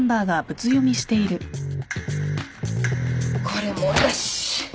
これもなし。